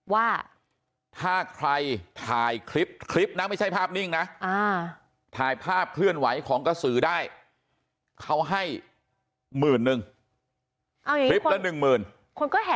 ว่าถ้าใครถ่ายคลิปคลิปนะไม่ใช่ภาพนิ่งนะอ่า